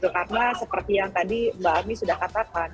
karena seperti yang tadi mbak ami sudah katakan